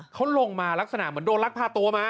เขาลงมาลักษณะเหมือนโดนลักพาตัวมา